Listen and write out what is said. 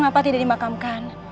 yg apa tidak dimakamkan